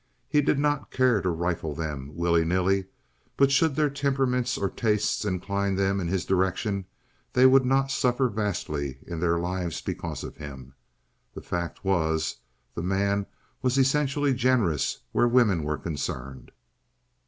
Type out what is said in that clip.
He did not care to rifle them, willy nilly; but should their temperaments or tastes incline them in his direction, they would not suffer vastly in their lives because of him. The fact was, the man was essentially generous where women were concerned.